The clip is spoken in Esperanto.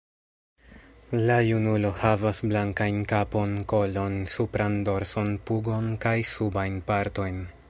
La junulo havas blankajn kapon, kolon, supran dorson, pugon kaj subajn partojn.